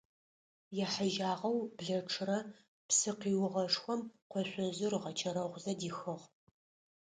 Ехьыжьагъэу блэчъырэ псы къиугъэшхом къошъожъыр ыгъэчэрэгъузэ дихыгъ.